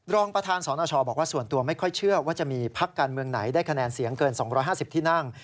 รองประธานสนชบอกว่าส่วนตัวไม่ค่อยเชื่อว่าจะมีพักการเมืองไหนได้คะแนนเสียงเกิน๒๕๐ที่นั่ง